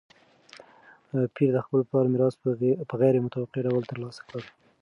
پییر د خپل پلار میراث په غیر متوقع ډول ترلاسه کړ.